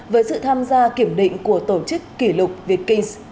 với sự tham gia kiểm định của tổ chức kỷ lục việt kings